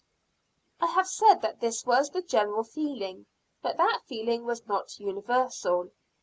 I have said that this was the general feeling, but that feeling was not universal.